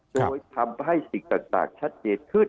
โดยทำให้สิ่งต่างชัดเจนขึ้น